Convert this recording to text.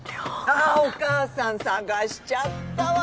あっお母さん探しちゃったわよ。